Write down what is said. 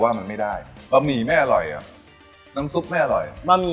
บ้านเกิดครับ